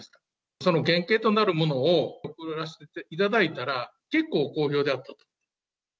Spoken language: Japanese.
その原型となるものを、送らせていただいたら、結構、好評であったと。